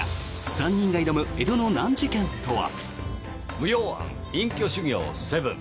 ３人が挑む江戸の難事件とは。